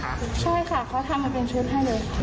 ใช่ค่ะเขาทำมาเป็นชุดให้เลย